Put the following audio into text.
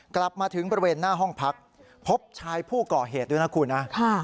กลับมาถึงบริเวณหน้าห้องพักพบชายผู้ก่อเหตุด้วยนะคุณนะ